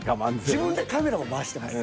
自分でカメラを回してます